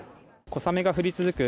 小雨が降り続く